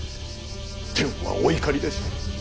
天はお怒りです。